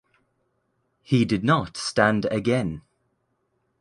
He did not stand again.